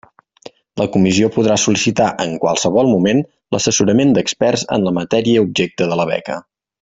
La comissió podrà sol·licitar, en qualsevol moment, l'assessorament d'experts en la matèria objecte de la beca.